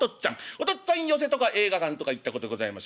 お父っつぁん寄席とか映画館とか行ったことございますか？」。